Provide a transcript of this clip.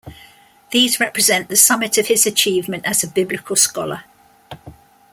These represent the summit of his achievement as a Biblical scholar.